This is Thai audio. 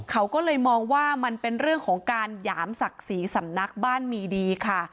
เขาก็เลยมองว่ามันเป็นเรื่องของการหยามศักดิ์ศรีสำนักบ้านมีดีค่ะ